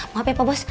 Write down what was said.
maaf ya pak bos